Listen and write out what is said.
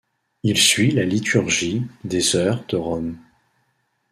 Il suit la liturgie des Heures de Rome.